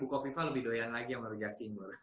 lumayan tapi buko viva lebih doian lagi sama rejak timur